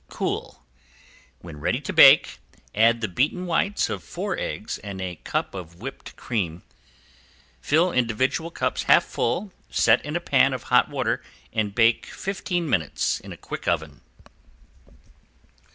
Cool. When ready to bake add the beaten whites of four eggs and a cup of whipped cream. Fill individual cups half full, set in a pan of hot water and bake fifteen minutes in a quick oven.